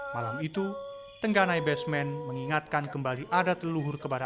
malam itu tengganai basemen mengingatkan kembali adat leluhur kebarang